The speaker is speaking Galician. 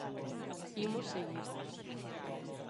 Imos seguir.